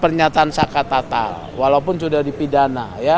pernyataan sakat tatal walaupun sudah boleh